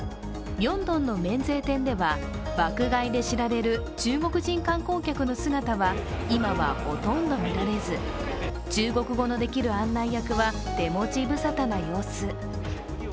ミョンドンの免税店では、爆買いで知られる中国人観光客の姿は今はほとんど見られず中国語のできる案内役は手持ち無沙汰な様子。